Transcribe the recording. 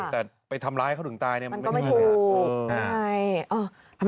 แต่ไปทำร้ายเขาถึงตายเนี่ยมันก็ไม่ถูก